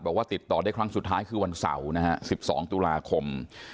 บอกว่าติดต่อได้ครั้งสุดท้ายคือวันเสาร์นะฮะ๑๒ตุลาคม